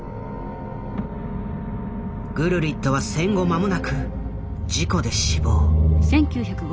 グルリットは戦後間もなく事故で死亡。